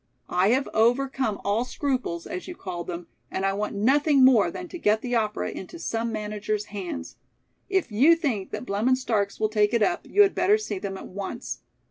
I have overcome all scruples, as you called them, and I want nothing more than to get the opera into some manager's hands. If you think that Blum & Starks will take it up, you had better see them at once.